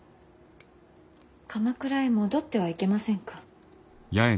鎌倉へ戻ってはいけませんか。